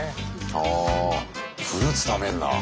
ああフルーツ食べんだ。